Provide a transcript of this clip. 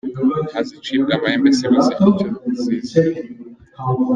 Nta zicibwa amahembe zibuze icyo zizira.